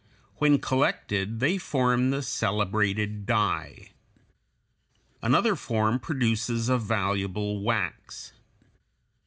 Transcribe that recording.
When collected they form the celebrated dye. Another form produces a valuable wax.